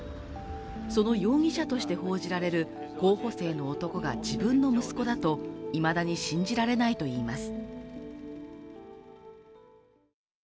その容疑者として報じられる候補生の男が自分の息子だといまだに信じられないといいます。